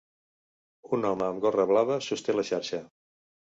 Un home amb gorra blava sosté la xarxa.